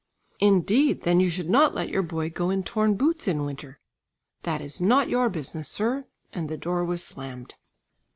"Indeed! Then you should not let your boy go in torn boots in winter." "That is not your business, sir," and the door was slammed.